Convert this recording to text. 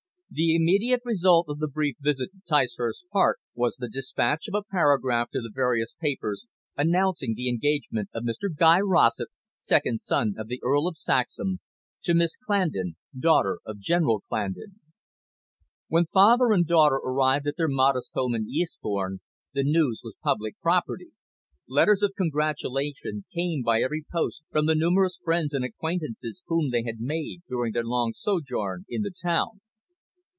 The immediate result of the brief visit to Ticehurst Park was the despatch of a paragraph to the various papers announcing the engagement of Mr Guy Rossett, second son of the Earl of Saxham, to Miss Clandon, daughter of General Clandon. When father and daughter arrived at their modest home in Eastbourne, the news was public property. Letters of congratulation came by every post from the numerous friends and acquaintances whom they had made during their long sojourn in the town.